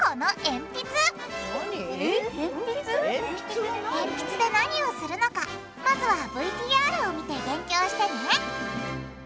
えんぴつで何をするのかまずはＶＴＲを見て勉強してね！